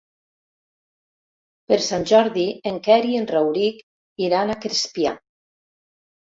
Per Sant Jordi en Quer i en Rauric iran a Crespià.